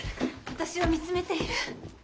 私を見つめている！